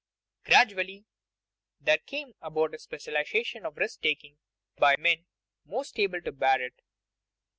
Gradually there came about a specialization of risk taking by the men most able to bear it.